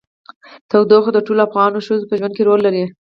تودوخه د ټولو افغان ښځو په ژوند کې رول لري.